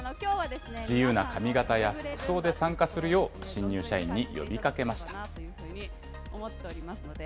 自由な髪形や服装で参加するよう新入社員に呼びかけました。